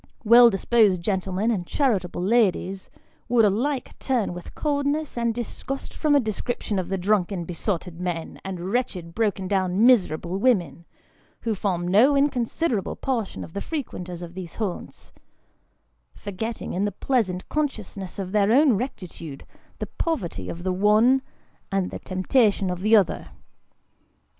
Well disposed gentlemen, and charitable ladies, would alike turn with coldness and disgust from a description of the drunken besotted men, and wretched broken down miserable women, who form no inconsiderable portion of the fre quenters of these haunts ; forgetting, in the pleasant consciousness of their own rectitude, the poverty of the one, and the temptation of the other.